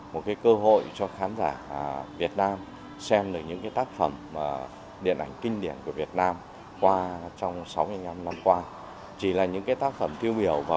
một cơ hội cho khán giả việt nam xem được những tác phẩm điện ảnh kinh điển của việt nam qua trong sáu năm qua